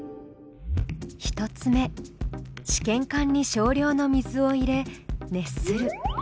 １つ目試験管に少量の水を入れ熱する。